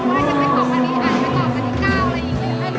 ว่าจะไปออกวันที่๙อะไรอย่างงี้